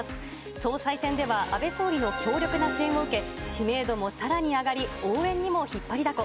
総裁選では安倍総理の強力な支援を受け、知名度もさらに上がり、応援にも引っ張りだこ。